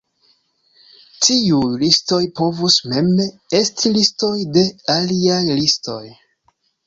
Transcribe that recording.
Tiuj listoj povus mem esti listoj de aliaj listoj.